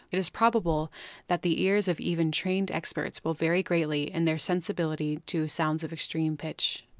It is probable that the ears even of trained experts will vary greatly in their sensibility to sounds of extreme pitch.